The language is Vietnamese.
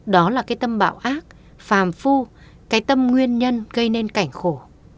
đó là cái tâm bão ác phàm phu cái tâm nguyên nhân gây nên cảnh khổ